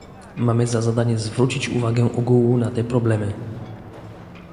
Mamy za zadanie zwrócić uwagę ogółu na te problemy